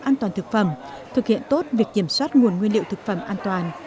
an toàn thực phẩm thực hiện tốt việc kiểm soát nguồn nguyên liệu thực phẩm an toàn